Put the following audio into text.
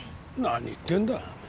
何言ってんだ。